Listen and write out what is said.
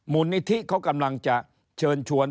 มูลนิธิเขากำลังจะเชิญชวน